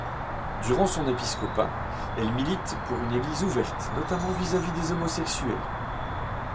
Durant son épiscopat, elle milite pour une Église ouverte, notamment vis-à-vis des homosexuels.